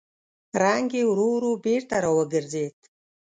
رنګ يې ورو ورو بېرته راوګرځېد.